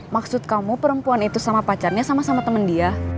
maksud kamu perempuan itu sama pacarnya sama sama teman dia